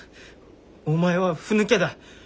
おお前はふぬけだ。